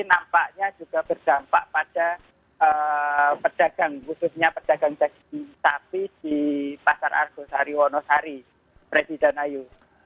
nampaknya juga berdampak pada pedagang khususnya pedagang daging sapi di pasar argosari wonosari presiden ayu